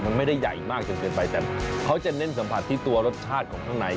มันไม่ได้ใหญ่มากจนเกินไปแต่เขาจะเน้นสัมผัสที่ตัวรสชาติของข้างใน